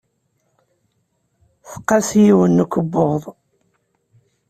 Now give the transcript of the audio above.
Tqas yiwen n ukebbuḍ.